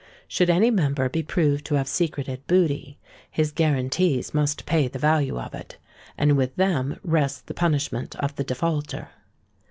Should any member be proved to have secreted booty, his guarantees must pay the value of it; and with them rests the punishment of the defaulter.